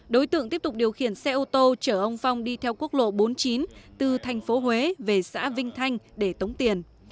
đối tượng tiếp tục điều khiển xe ô tô chở ông phong đi theo quốc lộ bốn mươi chín từ thành phố huế về xã vinh thanh để tống tiền